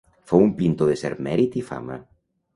Fou un pintor de cert mèrit i fama.